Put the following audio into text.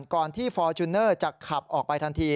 ก่อนที่ฟอร์จูเนอร์จะขับออกไปทันที